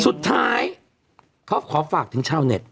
สุดท้ายเขาขอฝากถึงชาวเน็ต